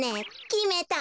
きめた。